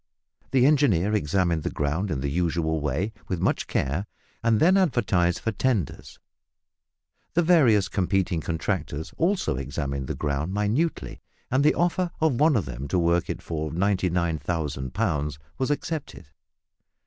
The engineer examined the ground in the usual way, with much care, and then advertised for "tenders." The various competing contractors also examined the ground minutely, and the offer of one of them to work it for 99,000 pounds was accepted.